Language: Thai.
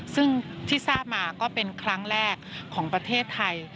ซึ่งที่ทราบมาก็เป็นครั้งแรกของประเทศไทย